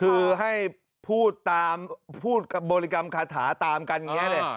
คือให้พูดตามพูดบริกรรมคาถาตามกันอย่างนี้เลย